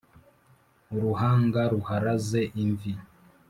uruhanga ruharaze imvi